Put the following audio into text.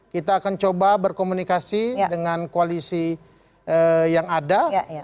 kita akan coba berkomunikasi dengan koalisi yang ada